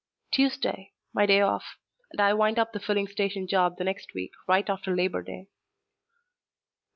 "Tuesday. My day off. And I wind up the filling station job the next week, right after Labor Day."